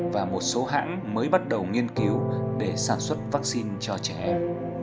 và một số hãng mới bắt đầu nghiên cứu để sản xuất vaccine cho trẻ em